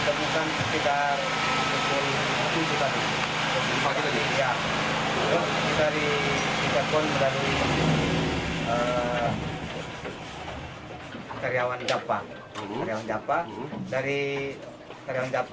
itu jenis kelamin apa pak